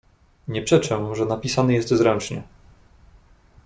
"Nie przeczę, że napisany jest zręcznie."